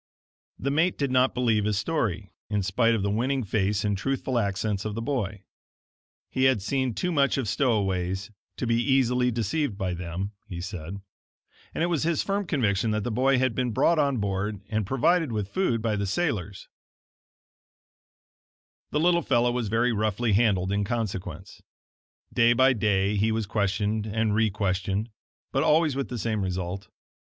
The mate did not believe his story, in spite of the winning face and truthful accents of the boy. He had seen too much of stowaways to be easily deceived by them, he said; and it was his firm conviction that the boy had been brought on board and provided with food by the sailors. The little fellow was very roughly handled in consequence. Day by day he was questioned and requestioned, but always with the same result.